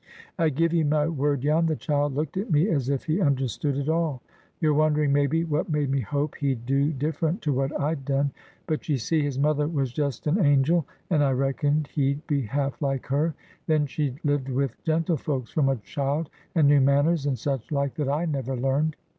I give ye my word, Jan, the child looked at me as if he understood it all. You're wondering, maybe, what made me hope he'd do different to what I'd done. But, ye see, his mother was just an angel, and I reckoned he'd be half like her. Then she'd lived with gentlefolks from a child, and knew manners and such like that I never learned.